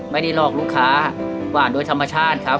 ไม่ได้หลอกลูกค้าหวานโดยธรรมชาติครับ